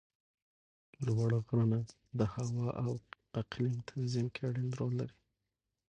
لوړ غرونه د هوا او اقلیم تنظیم کې اړین رول لوبوي